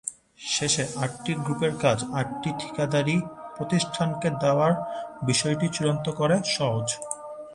শেষে আটটি গ্রুপের কাজ আটটি ঠিকাদারি প্রতিষ্ঠানকে দেওয়ার বিষয়টি চূড়ান্ত করে সওজ।